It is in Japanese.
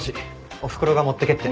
おふくろが持ってけって。